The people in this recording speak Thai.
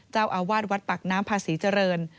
เจ้าอาวาสวัดปากน้ำพาศรีเจริญ